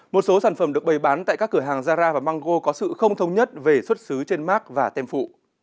một số sản phẩm được bày bán tại các cửa hàng zara và mango có sự không thông nhất về xuất xứ trên mark và tem phụ